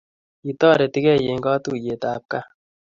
Kitoretigei eng katuiyet ab kaa